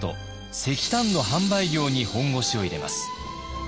石炭の販売業に本腰を入れます。